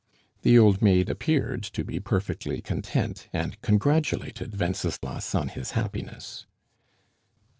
The old maid appeared to be perfectly content, and congratulated Wenceslas on his happiness.